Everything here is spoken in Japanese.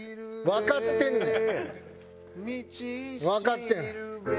わかってんねん。